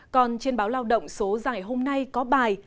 còn trên báo lao động số giải hôm nay có bài